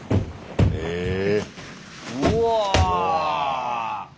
うわ。